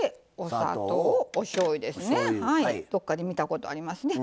どっかで見たことありますね